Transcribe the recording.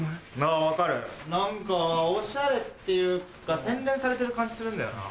あぁ分かる何かオシャレっていうか洗練されてる感じするんだよな。